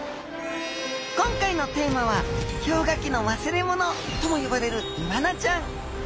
今回のテーマは氷河期の忘れものとも呼ばれるイワナちゃん！